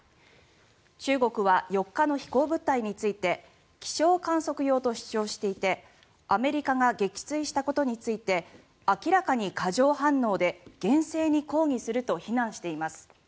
中国は４日の飛行物体について気象観測用と主張していてアメリカが撃墜したことについて明らかに過剰反応で厳正に抗議すると非難しています。